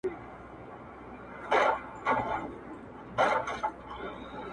پسله كلونه چي جانان تـه ورځـي.